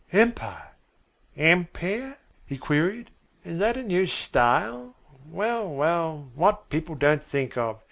"Empire." "Ampeer?" he queried. "Is that a new style? Well, well, what people don't think of.